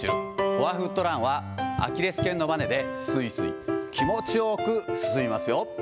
フォアフットランはアキレスけんのばねですいすい、気持ちよく進みますよ。